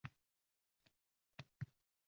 ular insonga rohat bag’ishlaydi